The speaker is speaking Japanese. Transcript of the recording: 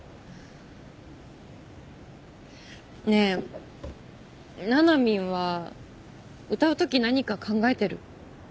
ねえななみんは歌うとき何か考えてる？